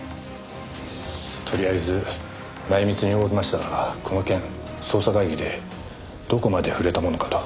とりあえず内密に動きましたがこの件捜査会議でどこまで触れたものかと。